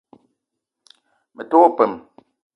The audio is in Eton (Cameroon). Me te wo peum.